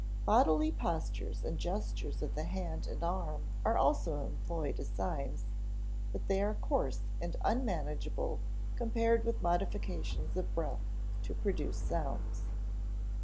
Bodily postures and gestures of the hand and arm are also employed as signs, but they are coarse and unmanageable compared with modifications of breath to produce sounds.